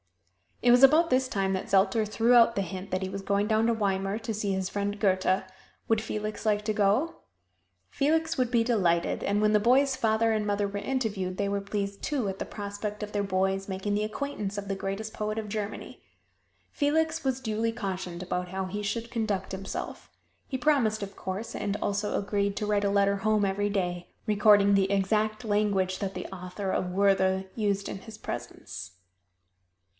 It was about this time that Zelter threw out the hint that he was going down to Weimar to see his friend Goethe would Felix like to go? Felix would be delighted, and when the boy's father and mother were interviewed, they were pleased, too, at the prospect of their boy's making the acquaintance of the greatest poet of Germany. Felix was duly cautioned about how he should conduct himself. He promised, of course, and also agreed to write a letter home every day, recording the exact language that the author of "Werther" used in his presence.